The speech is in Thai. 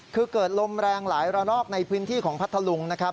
คือเกิดลมแรงหลายละรอกในพื้นที่ของพัทลุง